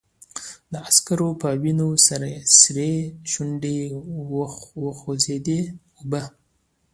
د عسکر په وينو سرې شونډې وخوځېدې: اوبه!